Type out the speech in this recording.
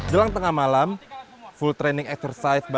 jelang tengah malam full training exercise bagi siswa